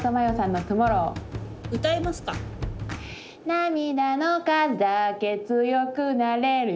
「涙の数だけ強くなれるよ」